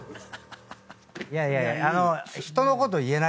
いやいやいや。